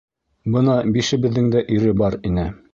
Бына бишебеҙҙең дә ире бар ине.